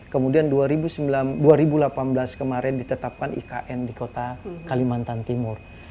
kemudian dua ribu delapan belas kemarin ditetapkan ikn di kota kalimantan timur